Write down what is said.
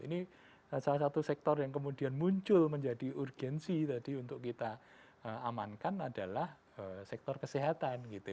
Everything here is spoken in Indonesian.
ini salah satu sektor yang kemudian muncul menjadi urgensi tadi untuk kita amankan adalah sektor kesehatan gitu